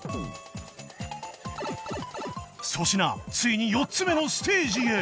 粗品ついに４つ目のステージへ